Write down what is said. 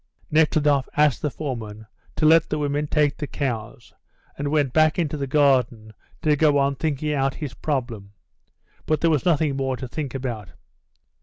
Nekhludoff asked the foreman to let the women take the cows, and went back into the garden to go on thinking out his problem, but there was nothing more to think about.